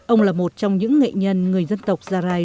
ông là một trong những nghệ nhân người dân tộc gia rai